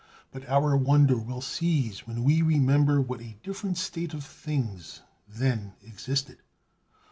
But our wonder will cease when we remember what a different state of things then existed.